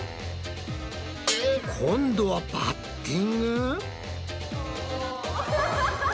今度はバッティング？